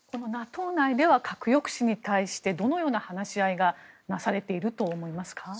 ＮＡＴＯ内では核抑止に対してどのような話し合いがなされていると思いますか。